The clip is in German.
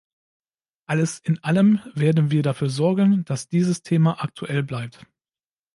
Alles in allem werden wir dafür sorgen, dass dieses Thema aktuell bleibt.